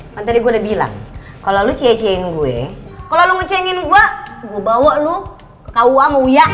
kan tadi gua udah bilang kalo lu cie ciein gue kalo lu nge cie ngin gua gua bawa lu ke kua mau ya